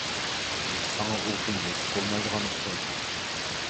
— ساڭا ئۇ كۈن نېسىپ بولمايدىغان ئوخشايدۇ.